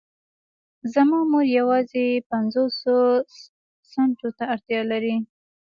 زما مور يوازې پنځوسو سنټو ته اړتيا لري.